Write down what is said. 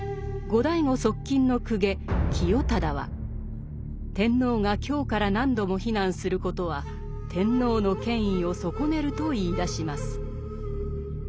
後醍醐側近の公家清忠は天皇が京から何度も避難することは天皇の権威を損ねると言いだします。